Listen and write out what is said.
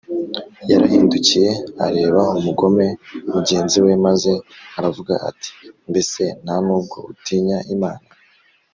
yarahindukiye areba umugome mugenzi we, maze aravuga ati, “mbese nta n’ubwo utinya imana